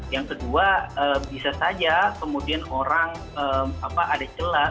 yang kedua bisa saja kemudian orang ada celah